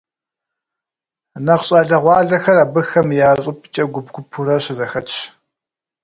Нэхъ щӏалэгъуалэхэр абыхэм я щӏыбкӏэ гуп-гупурэ щызэхэтщ.